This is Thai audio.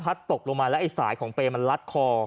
ตกลงมาแล้วไอ้สายของเปรย์มันลัดคอ